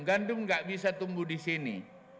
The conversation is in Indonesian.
gandum gak bisa tumbuh di sini